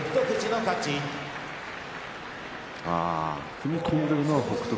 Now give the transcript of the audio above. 踏み込んでいるのは北勝